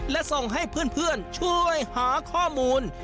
และส่งให้เพื่อนช่วยหาข้อมูล